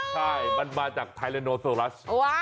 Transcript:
ใช่มันมาจากไทเลโนโซรัส